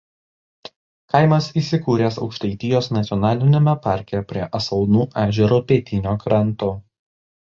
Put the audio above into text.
Kaimas įsikūręs Aukštaitijos nacionaliniame parke prie Asalnų ežero pietinio kranto.